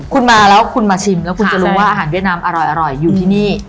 คุณมาแล้วคุณมาชิมแล้วคุณจะรู้ว่าอาหารเวียดนามอร่อยอยู่ที่นี่